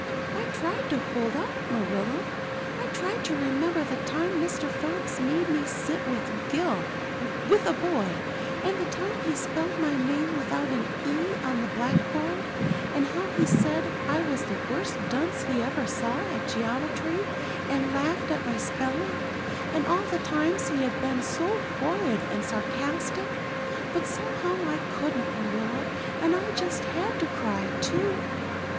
I tried to hold out, Marilla. I tried to remember the time Mr. Phillips made me sit with Gil with a boy; and the time he spelled my name without an 'e' on the blackboard; and how he said I was the worst dunce he ever saw at geometry and laughed at my spelling; and all the times he had been so horrid and sarcastic; but somehow I couldn't, Marilla, and I just had to cry too.